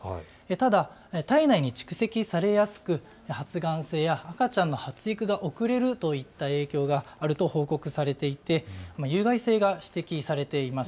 ただ体内に蓄積されやすく発がん性や赤ちゃんの発育が遅れるといった影響があると報告されていて、有害性が指摘されています。